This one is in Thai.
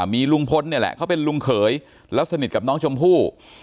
มีลุงพลเนี่ยแหละเขาเป็นลุงเขยแล้วสนิทกับน้องชมพู่